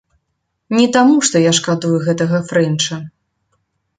Не таму, што я шкадую гэтага фрэнча.